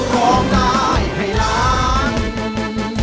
ร้องได้ให้ล้าน